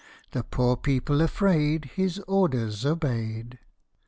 " The poor people, afraid, His orders obeyed.